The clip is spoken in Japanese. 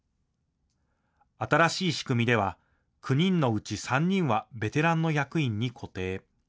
新しい仕組みでは９人のうち３人はベテランの役員に固定。